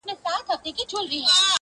ستا خنداگاني مي ساتلي دي کرياب وخت ته,